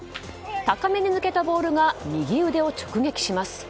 高めに抜けたボールが右腕を直撃します。